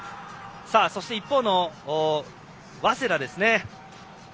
そして、一方の早稲田です。